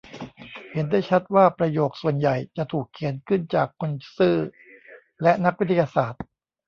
เห็นได้ชัดว่าประโยคส่วนใหญ่จะถูกเขียนขึ้นจากคนซื่อและนักวิทยาศาสตร์